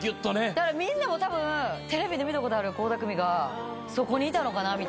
だからみんなもたぶんテレビで見たことある倖田來未がそこにいたのかなみたいな。